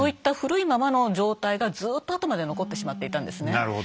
なるほど。